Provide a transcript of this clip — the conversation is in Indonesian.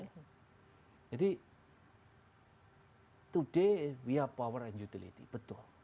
jadi hari ini kita adalah power and utility betul